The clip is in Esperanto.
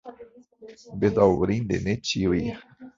Bedaŭrinde ne ĉiuj.